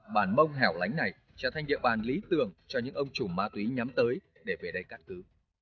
bản mông hẻo lánh này trở thành địa bàn lý tưởng cho những ông chủng ma túy nhắm tới để về đây cắt cứ